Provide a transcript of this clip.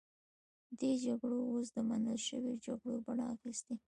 دې جګړو اوس د منل شویو جګړو بڼه اخیستې.